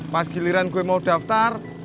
mas giliran gue mau daftar